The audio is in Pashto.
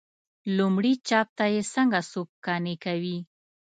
لومړي چاپ ته یې څنګه څوک قانع کوي.